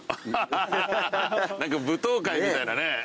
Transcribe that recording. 何か舞踏会みたいなね。